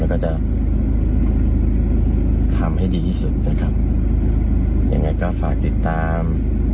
แล้วก็จะทำให้ดีที่สุดนะครับยังไงก็ฝากติดตาม